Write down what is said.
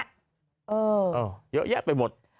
เออเยอะแยะไปหมด